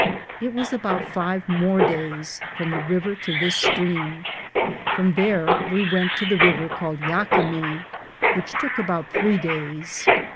It was about five more days from the river to this stream. From there we went to the river called Yaquemi, which took about three days.